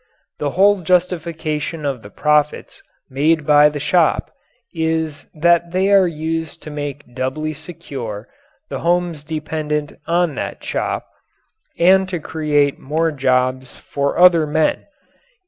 The whole justification of the profits made by the shop is that they are used to make doubly secure the homes dependent on that shop, and to create more jobs for other men.